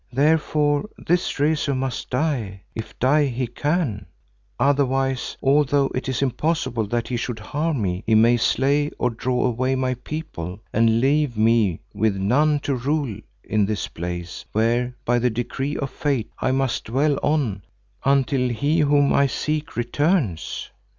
Therefore this Rezu must die, if die he can; otherwise, although it is impossible that he should harm me, he may slay or draw away my people and leave me with none to rule in this place where by the decree of Fate I must dwell on until he whom I seek returns.